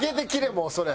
もうそれ。